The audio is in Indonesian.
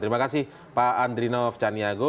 terima kasih pak adrino fcaniago